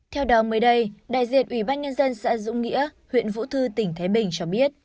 theo đó mới đây đại diện ủy ban nhân dân xã dũng nghĩa huyện vũ thư tỉnh thái bình cho biết